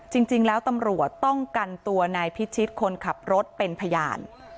จริงแล้วตำรวจต้องกันตัวนายพิชิตคนขับรถเป็นพยาน